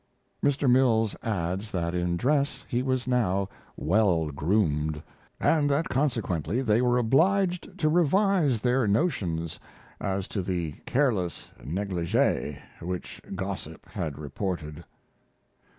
Mr. Mills adds that in dress he was now "well groomed," and that consequently they were obliged to revise their notions as to the careless negligee which gossip had reported.